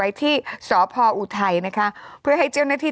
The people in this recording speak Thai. ที่สพออุทัยนะคะเพื่อให้เจ้าหน้าที่